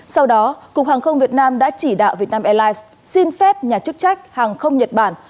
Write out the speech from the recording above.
sau đó cục hàng không việt nam đã chỉ đạo việt nam airlines xin phép nhà chức trách hàng không nhật bản